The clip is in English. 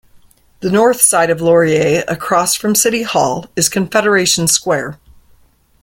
The north side of Laurier, across from City Hall, is Confederation Square.